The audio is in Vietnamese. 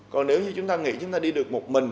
còn nếu như chúng ta nghĩ chúng ta đi được một mình